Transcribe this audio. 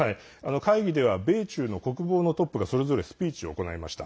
会議では米中の国防のトップがそれぞれスピーチを行いました。